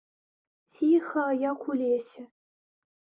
Ціха, як у лесе.